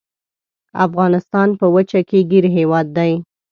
افغانستان په وچه کې ګیر هیواد دی.